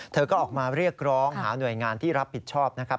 เธอก็ออกมาเรียกร้องหาหน่วยงานที่รับผิดชอบนะครับ